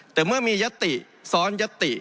แต่เมื่อมียติซ้อนยติ